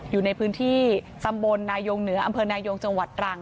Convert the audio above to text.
อยู่ในพื้นที่ตำบลนายงเหนืออำเภอนายงจังหวัดตรัง